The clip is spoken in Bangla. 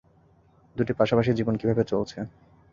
দুটি পাশাপাশি জীবন কিভাবে চলছে?